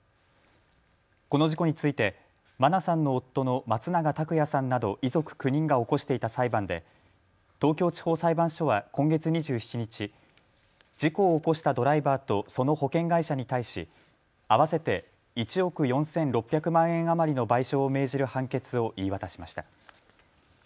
この事故について真菜さんの夫の松永拓也さんなど遺族９人が起こしていた裁判で東京地方裁判所は今月２７日、事故を起こしたドライバーとその保険会社に対し合わせて１億４６００万円余りの賠償を命じる判決を言い渡しました。